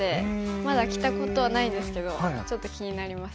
まだ着たことないですけどちょっと気になります。